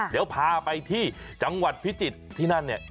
เดี๋ยวพาไปที่จังหวัดพิจิตรที่นั่นเนี่ย